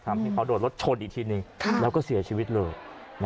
ที่เขาโดนรถชนอีกทีนึงแล้วก็เสียชีวิตเลย